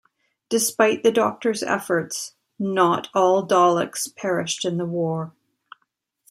Despite the Doctor's efforts, not all Daleks perished in the war.